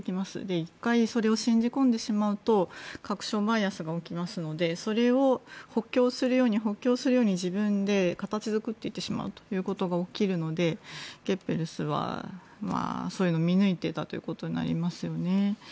１回それを信じ込んでしまうと確証バイアスが起きますのでそれを補強するように補強するように自分で形作っていってしまうということが起きるのでゲッペルスはそういうのを見抜いていたということになりますよね。